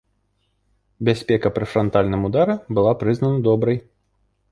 Бяспека пры франтальным удары была прызнана добрай.